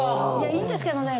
いいんですけどね